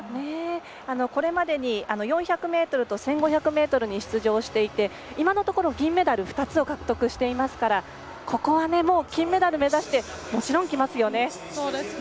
これまでに４００ｍと１５００ｍに出場していて今のところ銀メダル２つを獲得していますからここは、もちろん金メダルを目指してきますよね。